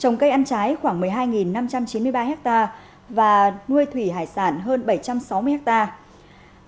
trồng cây ăn trái khoảng một mươi hai năm trăm chín mươi ba hectare và nuôi thủy hải sản hơn bảy trăm sáu mươi hectare